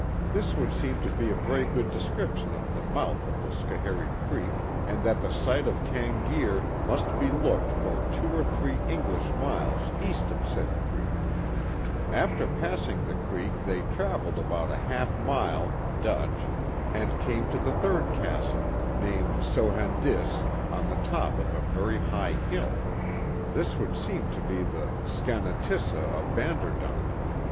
This would seem to be a very good description of the mouth of the Schoharie Creek, and that the site of Canagere must be looked for two or three English miles east of said creek. 30 The Mohawk Valley After passing the creek they travelled about a half mile (Dutch) and came to the third castle, named Sohanidisse, on the top of a very high hill. This would seem to be the Scha natissa ofVanderdonk.